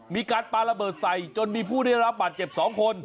มีการปลาระเบิดใส่จนมีผู้ได้รับบาดเจ็บ๒คน